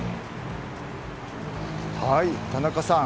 田中さん